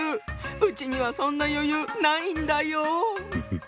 うちにはそんな余裕ないんだよ。